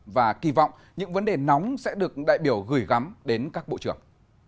và kỳ vọng những vấn đề nóng sẽ được đại biểu gửi gắm đến các bộ trưởng